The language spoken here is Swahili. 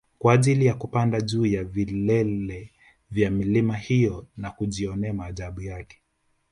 kwa ajili ya kupada juu ya vilele vya milima hiyo na kujionea maajabu yake